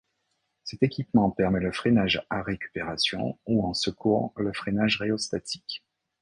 Cet équipement permet le freinage à récupération, ou en secours le freinage rhéostatique.